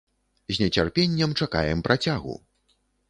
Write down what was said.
З нецярпеннем чакаем працягу!